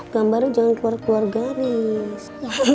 gambarnya jangan keluar keluar garis